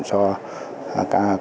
cho các cấp địa phương